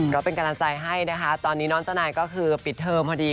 ก็เป็นกำลังใจให้นะคะตอนนี้น้องเจ้านายก็คือปิดเทอมพอดี